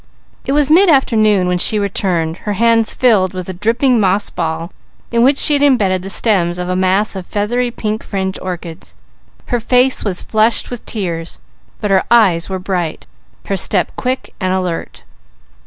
It was mid afternoon when she returned, her hands filled with a dripping moss ball in which she had embedded the stems of a mass of feathery pink fringed orchids. Her face was flushed with tears, but her eyes were bright, her step quick and alert.